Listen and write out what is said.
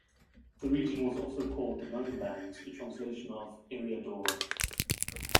The region was also called the Lone-lands, a translation of "Eriador".